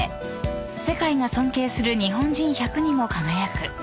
［『世界が尊敬する日本人１００』にも輝く］